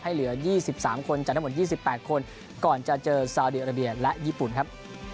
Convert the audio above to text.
เหลือ๒๓คนจากทั้งหมด๒๘คนก่อนจะเจอซาวดีอาราเบียและญี่ปุ่นครับ